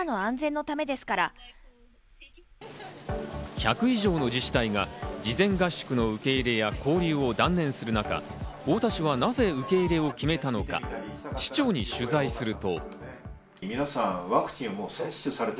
１００以上の自治体が事前合宿の受け入れや交流を断念する中、太田市はなぜ受け入れを決めたのか市長に取材すると。